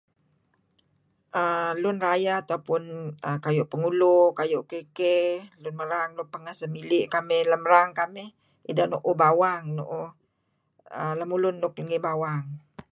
Aaa.. lun rayeh atau pun kayu' Pegulu, kayu' KK, lun merar nuk pengeh semili' kamih lem erang kamih, ideh nu'uh bawang, nu'uh err lemulun nuk ngih bawang.